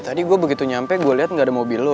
tadi gue begitu nyampe gue liat gak ada mobil lo